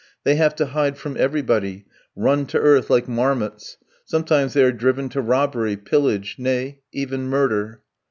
They have to hide from everybody, run to earth like marmots; sometimes they are driven to robbery, pillage nay, even murder.